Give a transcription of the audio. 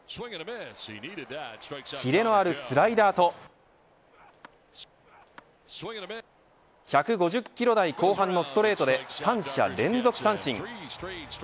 切れのあるスライダーと１５０キロ台後半のストレートで三者連続三振。